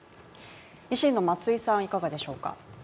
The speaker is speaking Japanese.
維新の松井さん、いかがでしょうか？